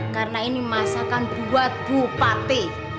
karena ini masakan buat bupati